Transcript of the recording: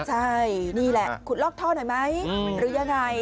ใช่นี่แหละขุดลอกท่อหน่อยไหมหรือยังไง